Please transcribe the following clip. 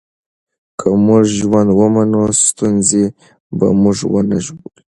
که موږ ژوند ومنو، ستونزې به موږ ونه ژوبلوي.